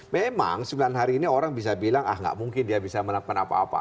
memang sembilan hari ini orang bisa bilang ah nggak mungkin dia bisa melakukan apa apa